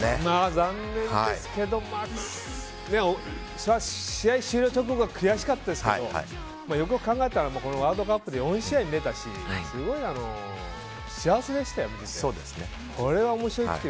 残念ですけど試合終了直後は悔しかったですけどよくよく考えたらワールドカップで４試合に出たしすごい幸せでしたよ、見てて。